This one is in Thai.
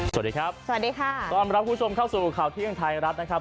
สวัสดีครับสวัสดีค่ะต้อนรับคุณผู้ชมเข้าสู่ข่าวเที่ยงไทยรัฐนะครับ